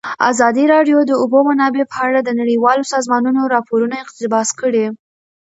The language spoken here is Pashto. ازادي راډیو د د اوبو منابع په اړه د نړیوالو سازمانونو راپورونه اقتباس کړي.